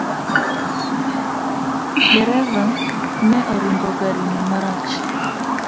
Dereva ne orimbo gari ni marach .